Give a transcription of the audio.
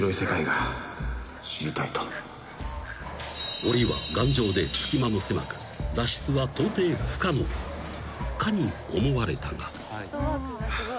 ［おりは頑丈で隙間もせまく脱出はとうてい不可能かに思われたが］